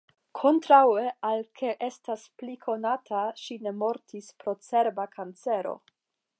Kontraŭe al ke estas pli konata, ŝi ne mortis pro cerba kancero.